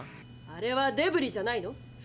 あれはデブリじゃないの？